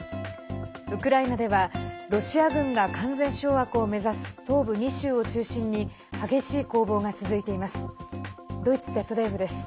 ウクライナではロシア軍が完全掌握を目指す東部２州を中心に激しい攻防が続いています。